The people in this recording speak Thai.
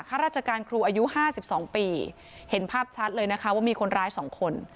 ค่าราชการครูอายุห้าสิบสองปีเห็นภาพชัดเลยนะคะว่ามีคนร้ายสองคน